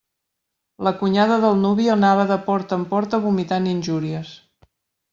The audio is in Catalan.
La cunyada del nuvi anava de porta en porta vomitant injúries.